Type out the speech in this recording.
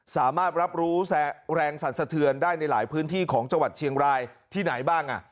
สามารถรับรู้แรงสรรสะเทือนได้ในหลายพื้นที่ของจังหวัดเชียงรายที่ไหนบ้าง